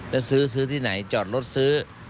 แล้วซื้อซื้อที่ไหนจอดรถซื้อ